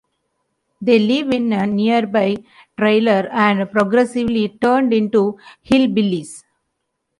They live in a nearby trailer and progressively turn into hillbillies.